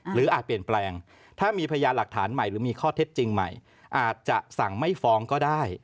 อาจเปลี่ยนแปลงถ้ามีพยานหลักฐานใหม่หรือมีข้อเท็จจริงใหม่อาจจะสั่งไม่ฟ้องก็ได้